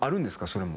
それも。